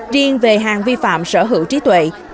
riêng về hàng vi phạm sở hữu trí tuệ